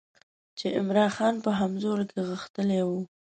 چې عمرا خان په همزولو کې غښتلی وو.